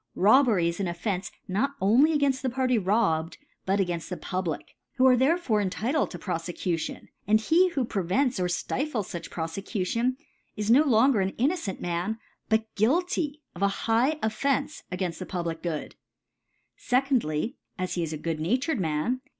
Robbery is an j3ffencc not only againft the Party robbed, but againft the Public, who are therefore entitled to PTofecution ; and he who Jjrevents w ftifles fuch the Profecu c. tion. ( i68 ) tion, IS no longer an innocent Man, but guilty of a high Offence againft the Public Good, SecmUy^ As he is a good natured Man, be